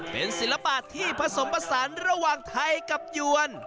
เป็นศิลปะที่ผสมผสานระหว่างไทยกับยวน